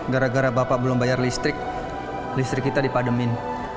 gara gara bapak belum bayar listrik listrik kita dipademin